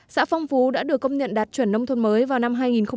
xã phong phú đã được công nhận đạt chuẩn nông thôn mới vào năm hai nghìn một mươi